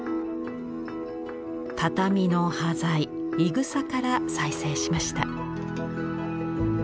畳の端材「いぐさ」から再生しました。